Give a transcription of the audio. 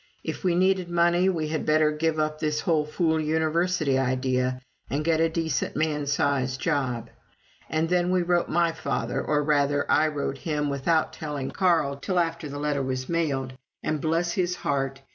If we needed money, we had better give up this whole fool University idea and get a decent man sized job. And then we wrote my father, or, rather, I wrote him without telling Carl till after the letter was mailed, and bless his heart!